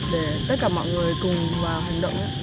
để tất cả mọi người cùng vào hành động